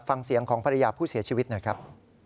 ฟังเสียงของภรรยาผู้เสียชีวิตหน่อยครับ